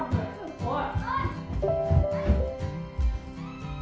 おい！